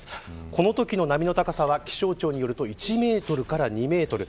このときの波の高さは気象庁によると１メートルから２メートル。